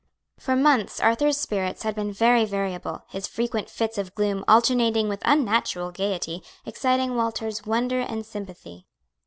For months Arthur's spirits had been very variable, his frequent fits of gloom, alternating with unnatural gayety, exciting Walter's wonder and sympathy.